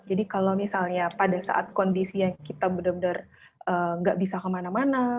jadi kalau misalnya pada saat kondisi yang kita benar benar gak bisa kemana mana